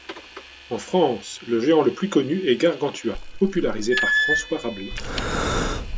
En France, le géant le plus connu est Gargantua, popularisé par François Rabelais.